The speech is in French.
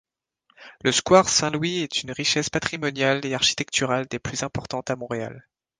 Le square Saint-Louis est une richesse patrimoniale et architecturale des plus importantes à Montréal.